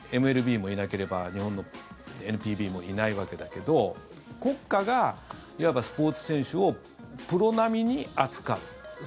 ＭＬＢもいなければ日本のＮＰＢもいないわけだけど国家がいわばスポーツ選手をプロ並みに扱う。